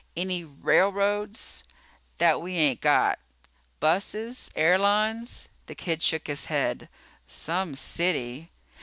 "Any railroads?" "That we ain't got." "Buses? Airlines?" The kid shook his head. "Some city."